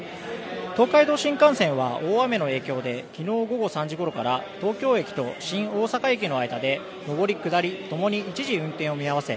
東海道新幹線は大雨の影響で昨日午後３時ごろから東京駅と新大阪駅の間で上り下りともに一時、運転を見合わせ